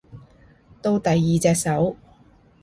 到第二隻手